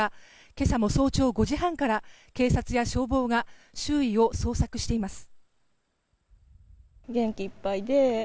今朝も早朝５時半から警察や消防が周囲を捜索しています。